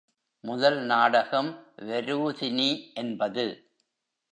முதல் நாடகம் வரூதினி என்பது.